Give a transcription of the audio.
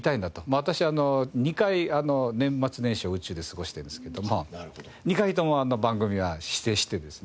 私２回年末年始を宇宙で過ごしてるんですけども２回とも番組は指定してですね。